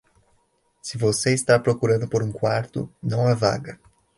Se você está procurando por um quarto, não há vaga.